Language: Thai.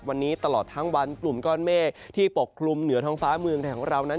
วันนี้ตลอดทั้งวันกลุ่มก้อนเมฆที่ปกคลุมเหนือท้องฟ้าเมืองไทยของเรานั้น